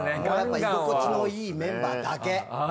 居心地のいいメンバーだけ。